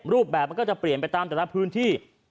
รูปแบบมันก็จะเปลี่ยนไปตามแต่ละพื้นที่